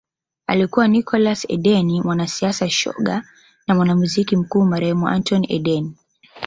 Alikuwa Nicholas Eden mwanasiasa shoga na mwana wa Waziri Mkuu marehemu Anthony Eden